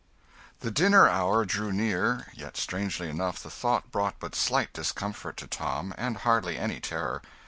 The dinner hour drew near yet strangely enough, the thought brought but slight discomfort to Tom, and hardly any terror.